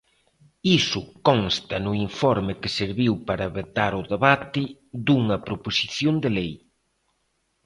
Iso consta no informe que serviu para vetar o debate dunha proposición de lei.